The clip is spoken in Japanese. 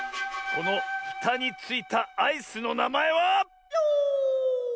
このふたについたアイスのなまえは。